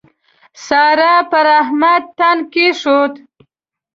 سارا پر احمد تن کېښود.